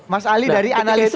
mas ali dari analisa